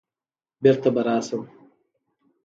بېرته به راشم